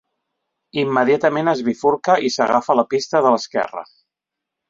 Immediatament es bifurca i s'agafa la pista de l'esquerra.